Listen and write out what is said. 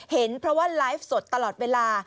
เห็นเพราะว่าไลฟ์สดตลอดเวลา